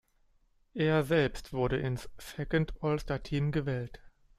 Er selbst wurde ins Second All-Star Team gewählt.